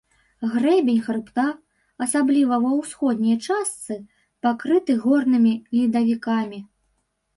Грэбень хрыбта, асабліва ва ўсходняй частцы, пакрыты горнымі ледавікамі.